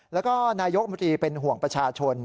แล้วก็นายกมนตรีเป็นห่วงประชาชน